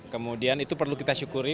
kemudian itu perlu kita syukuri